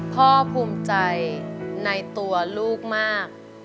ภูมิใจในตัวลูกมาก